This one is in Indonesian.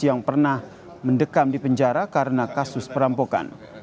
yang pernah mendekam di penjara karena kasus perampokan